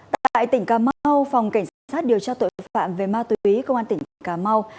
tại tỉnh cà mau phòng cảnh sát điều tra tội phạm về ma túy công an tỉnh cà mau